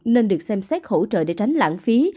nên được xem xét hỗ trợ để tránh lãng phí